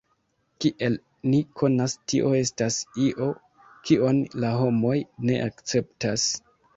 Kiel ni konas, tio estas io, kion la homoj ne akceptas.